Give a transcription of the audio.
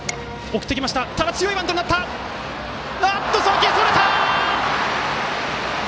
送球がそれた！